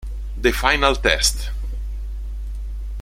The Final Test